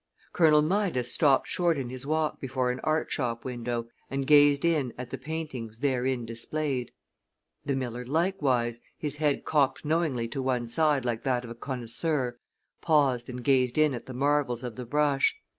Colonel Midas stopped short in his walk before an art shop window, and gazed in at the paintings therein displayed. The miller likewise, his head cocked knowingly to one side like that of a connoisseur, paused and gazed in at the marvels of the brush.